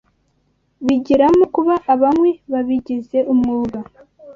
bigiramo kuba abanywi babigize umwuga